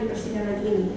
di persidangan ini